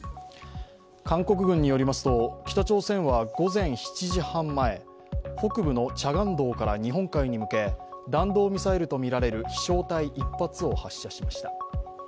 韓国軍によりますと、北朝鮮は午前７時半前、北部のチャガンドから日本海に向け弾道ミサイルとみられる飛翔体１発を発射しました。